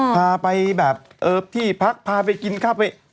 พาไปแบบที่พักพาไปกินข้าวไป